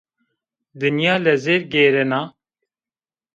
Dinya lezêr gêrena